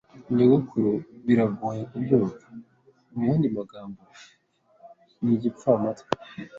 Nyogokuru biragoye kubyumva. Muyandi magambo, ni igipfamatwi.